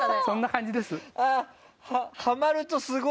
そんな感じです。